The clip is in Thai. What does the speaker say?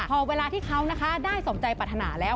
พอเวลาที่เขานะคะได้สมใจปรัฐนาแล้ว